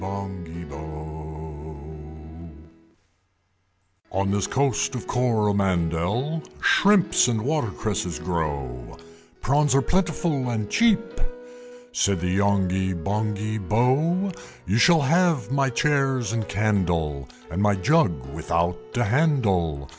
"On this Coast of Coromandel Shrimps and watercresses grow, Prawns are plentiful and cheap," Said the Yonghy Bonghy Bò. "You shall have my chairs and candle, And my jug without a handle!